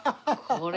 これ。